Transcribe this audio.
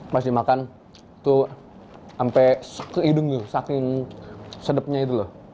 masih makan itu sampai ke idung saking sedapnya itu loh